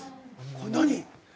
これ何？